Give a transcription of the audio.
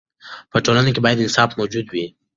په ټولنه کې باید انصاف موجود وي.